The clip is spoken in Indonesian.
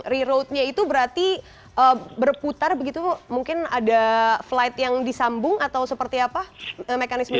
reroadnya itu berarti berputar begitu bu mungkin ada flight yang disambung atau seperti apa mekanismenya